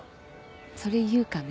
それ言うかね。